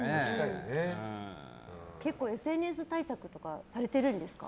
結構、ＳＮＳ対策とかされてるんですか？